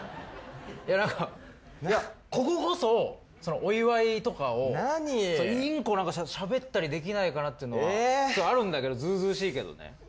何かいやこここそお祝いとかをインコしゃべったりできないかなっていうのはあるんだけどずうずうしいけどね。